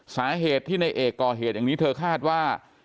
สาเหตุที่ในเอกก่อเหตุอย่างนี้เธอคาดว่า